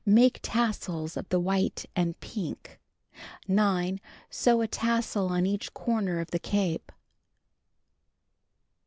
Make tassels of the white and pink. 9. Sew a tassel on each corner of the cape.